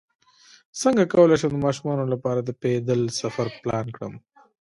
څنګه کولی شم د ماشومانو لپاره د پیدل سفر پلان کړم